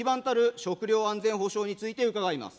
食料安全保障について伺います。